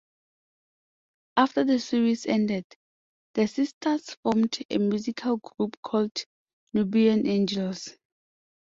After the series ended, the sisters formed a musical group called Nubian Angels.